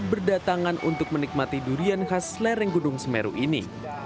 berdatangan untuk menikmati durian khas lereng gunung semeru ini